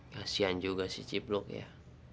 kasian juga sih cipluk ya